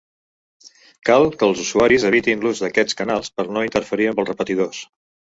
Cal que els usuaris evitin l'ús d'aquests canals per no interferir amb els repetidors.